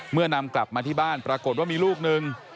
นำกลับมาที่บ้านปรากฏว่ามีลูกหนึ่ง